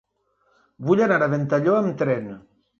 Vull anar a Ventalló amb tren.